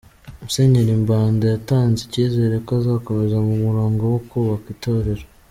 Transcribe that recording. Musenyeri Mbanda yatanze icyizere ko azakomeza mu murongo wo kubaka itorero.